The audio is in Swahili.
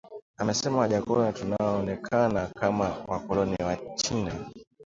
amesema Wajackoya Tunaonekana kama wakoloni wa China